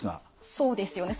そうですよね。